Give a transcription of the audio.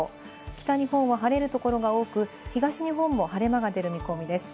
北日本は晴れるところが多く、東日本も晴れ間が出る見込みです。